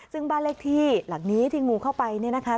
ซึ่งบ้านเลขที่หลังนี้ที่งูเข้าไปเนี่ยนะคะ